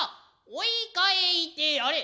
追い返いてやれ。